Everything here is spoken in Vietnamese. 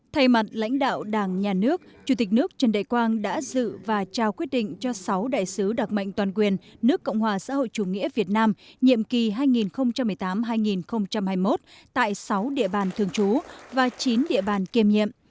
thay mặt lãnh đạo đảng nhà nước chủ tịch nước trần đại quang đã dự và trao quyết định cho sáu đại sứ đặc mệnh toàn quyền nước cộng hòa xã hội chủ nghĩa việt nam nhiệm kỳ hai nghìn một mươi tám hai nghìn hai mươi một tại sáu địa bàn thường trú và chín địa bàn kiêm nhiệm